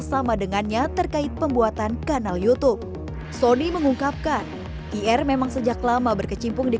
sama dengannya terkait pembuatan kanal youtube soni mengungkapkan ir memang sejak lama berkecimpung di